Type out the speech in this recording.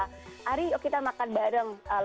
hari kita makan bareng